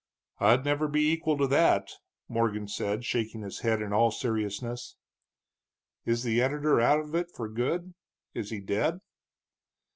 "I'd never be equal to that," Morgan said, shaking his head in all seriousness. "Is the editor out of it for good? Is he dead?"